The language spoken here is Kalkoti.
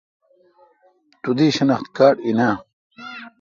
تو دی شناختی کارڈ این اؘ۔